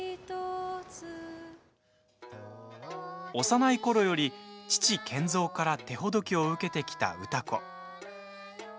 幼いころより、父・賢三から手ほどきを受けてきた歌子。